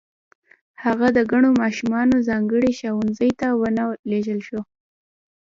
هغه د کڼو ماشومانو ځانګړي ښوونځي ته و نه لېږل شو